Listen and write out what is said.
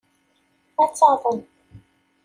Ad taḍen.